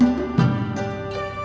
cảm ơn các bạn đã theo dõi